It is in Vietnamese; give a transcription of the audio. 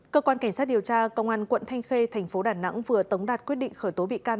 cơ quan cảnh sát điều tra công an quận thanh khê thành phố đà nẵng vừa tống đạt quyết định khởi tố bị can